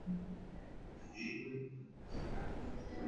Ni cyo gituma Uwiteka wacunguye Aburahamu avugira inzu ya Yakobo